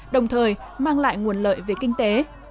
đồng thời mang lại nguồn lợi về kinh tế